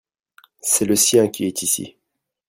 c'est le sien qui est ici.